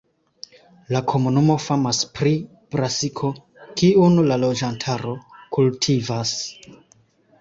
La komunumo famas pri brasiko, kiun la loĝantaro kultivas.